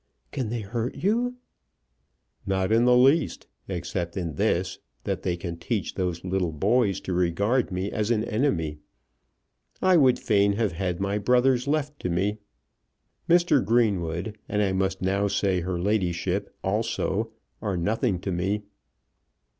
"Can they hurt you?" "Not in the least, except in this, that they can teach those little boys to regard me as an enemy. I would fain have had my brothers left to me. Mr. Greenwood, and I must now say her ladyship also, are nothing to me."